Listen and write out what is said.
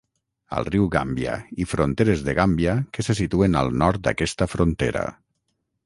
Al riu Gàmbia i fronteres de Gàmbia que se situen al nord d'aquesta frontera.